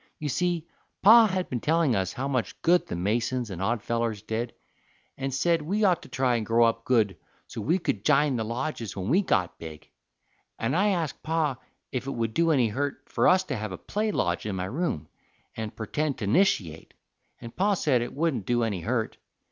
You see, Pa had been telling us how much good the Masons and Oddfellers did, and said we ought to try and grow up good so we could jine the lodges when we got big; and I asked Pa if it would do any hurt for us to have a play lodge in my room, and purtend to nishiate, and Pa said it wouldn't do any hurt.